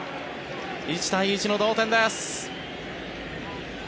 １対１の同点です。